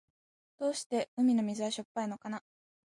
どうして海の水はしょっぱいのかな。